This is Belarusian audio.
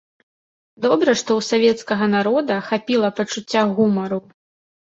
Добра, што ў савецкага народа хапіла пачуцця гумару.